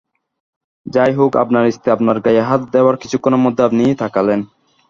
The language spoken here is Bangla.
যাই হোক, আপনার স্ত্রী আপনার গায়ে হাত দেওয়ার কিছুক্ষণের মধ্যেই আপনি তাকালেন।